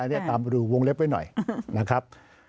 อันนี้ตามดูวงเล็บไว้หน่อยนะครับ